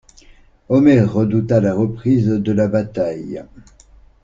Omer redouta la reprise de la bataille.